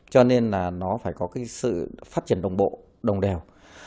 cho nên nó phải có sự phát triển đồng bộ đồng đều